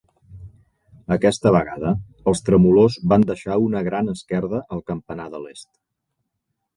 Aquesta vegada, els tremolors van deixar una gran esquerda al campanar de l'est.